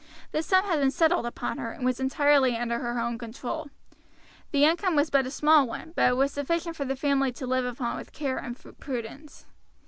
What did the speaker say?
This sum had been settled upon her, and was entirely under her own control. The income was but a small one, but it was sufficient for the family to live upon with care and prudence.